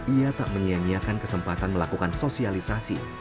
ia tak menyianyiakan kesempatan melakukan sosialisasi